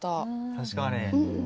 確かに。